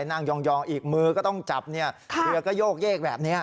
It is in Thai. ยองอีกมือก็ต้องจับเรือก็โยกเยกแบบนี้